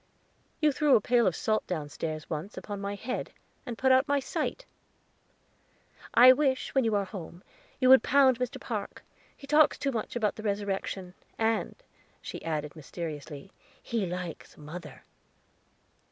"You threw a pail of salt downstairs, once, upon my head, and put out my sight." "I wish, when you are home, you would pound Mr. Park; he talks too much about the Resurrection. And," she added mysteriously, "he likes mother."